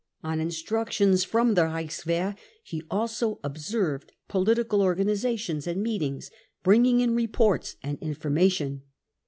On instructions from the Reichswehr he also " observed " political organisations and meetings, bringing in reports and information.